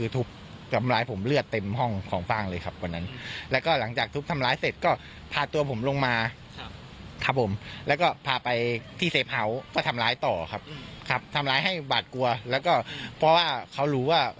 ทำร้ายให้บาดกลัวแล้วก็เพราะว่าเขารู้ว่า